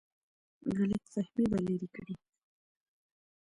غلط فهمۍ به لرې کړي.